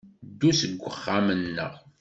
Ddu seg wexxam-nneɣ.